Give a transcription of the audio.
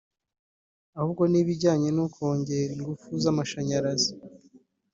ahubwo n’ibijyanye no kongera ingufu z’amashanyarazi